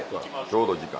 ちょうど時間。